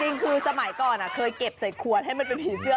จริงคือสมัยก่อนเคยเก็บใส่ขวดให้มันเป็นผีเสื้อ